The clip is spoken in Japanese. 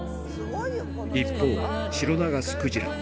一方、シロナガスクジラ。